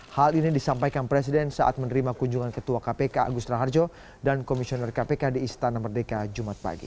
hal ini disampaikan presiden saat menerima kunjungan ketua kpk agus raharjo dan komisioner kpk di istana merdeka jumat pagi